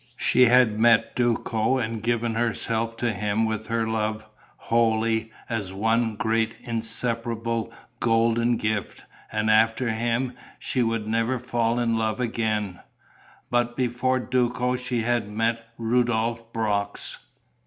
She had met Duco and given herself to him with her love, wholly, as one great inseparable golden gift; and after him she would never fall in love again. But before Duco she had met Rudolph Brox.